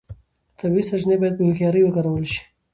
طبیعي سرچینې باید په هوښیارۍ وکارول شي.